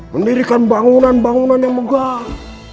mendirikan bangunan bangunan yang megah